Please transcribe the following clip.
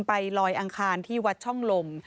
ลอยอังคารที่วัดช่องลม